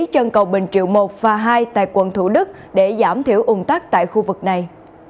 chân cầu bình triệu một và hai tại quận thủ đức để giảm thiểu ủng tắc tại khu vực này